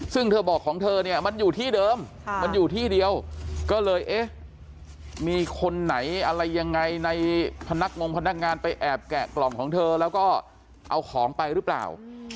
ซึ่งเธอบอกของเธอเนี่ยมันอยู่ที่เดิมมันอยู่ที่เดียวก็เลยเอ๊ะมีคนไหนอะไรยังไงในพนักงงพนักงานไปแอบแกะกล่องของเธอแล้วก็เอาของไปหรือเปล่า